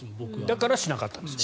だからしなかったんですよね？